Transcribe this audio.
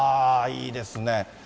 いいですね。